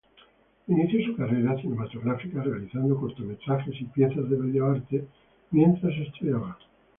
Inició su carrera cinematográfica realizando cortometrajes y piezas de videoarte mientras estudiaba.